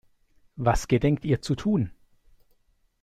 Was gedenkt ihr zu tun?